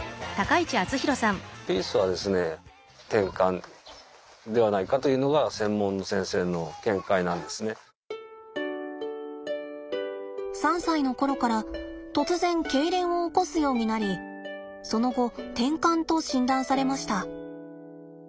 ピースはですね３歳の頃から突然けいれんを起こすようになりその後てんかんと診断されました。